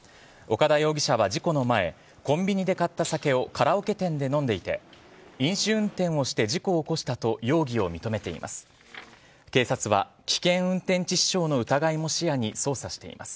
岡田容疑者は事故の前コンビニで買った酒をカラオケ店で飲んでいて飲酒運転をして事故を起こしたと容疑を認めています。